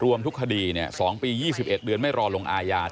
รวมทุกคดี๒ปี๒๑เดือนไม่รอลงอาญา